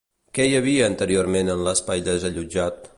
Què hi havia anteriorment en l'espai desallotjat?